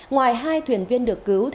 ngoài hai thuyền viên được cứu